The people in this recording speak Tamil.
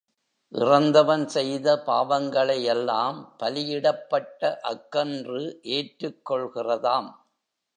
இறந்தவன் செய்த பாவங்களையெல்லாம், பலியிடப்பட்ட அக்கன்று ஏற்றுக் கொள்கிறதாம்.